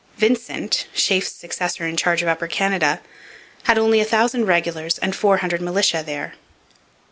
Vincent, Sheaffe's successor in charge of Upper Canada, had only a thousand regulars and four hundred militia there.